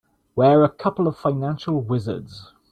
We're a couple of financial wizards.